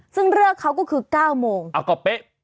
ซึ่งเลิกเขาก็คือ๙โมงอ้าวก็เป๊ะ